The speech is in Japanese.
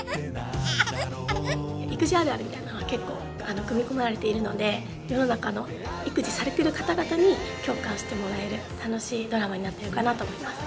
育児あるあるみたいなのが結構組み込まれているので世の中の育児されてる方々に共感してもらえる楽しいドラマになってるかなと思います。